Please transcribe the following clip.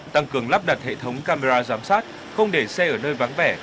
tăng cường lắp đặt hệ thống camera giám sát không để xe ở nơi vắng vẻ